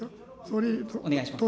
お願いします。